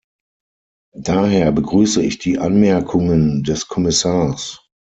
Daher begrüße ich die Anmerkungen des Kommissars.